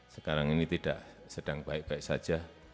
sekarang ini tidak sedang baik baik saja